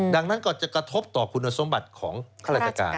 ดังนั้นก็จะกระทบต่อคุณสมบัติของข้าราชการ